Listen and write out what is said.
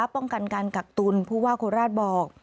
ป้องกันการกักตุลผู้ว่าโคราชบอก